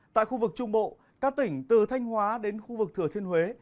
tại khu vực trung bộ các tỉnh từ thanh hóa đến khu vực thừa thiên huế